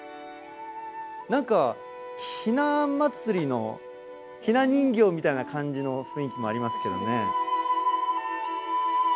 何かひな祭りのひな人形みたいな感じの雰囲気もありますけどね。